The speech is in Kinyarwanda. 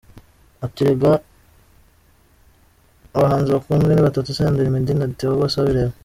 Ati “Erega abahanzi bakunzwe ni batatu, Senderi, Meddy na Theo Bosebabireba.